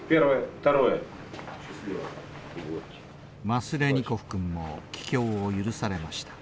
マスレニコフ君も帰郷を許されました。